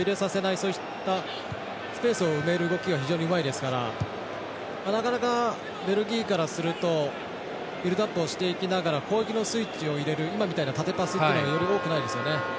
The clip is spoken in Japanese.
そういったスペースを埋める動きが非常にうまいですからなかなかベルギーからするとビルドアップをしていきながら攻撃のスイッチを入れる今みたいな縦パスというのが多くないですよね。